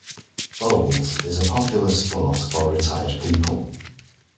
Bowls is a popular sport for retired people